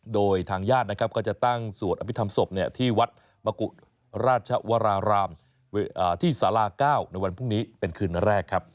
โดยทางญาตินะครับก็จะตั้งสวดอภิษฐรรมศพที่วัดมกุราชวรารามที่สารา๙ในวันพรุ่งนี้เป็นคืนแรกครับ